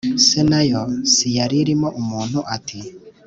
se nayo siyari irimo umuntu ati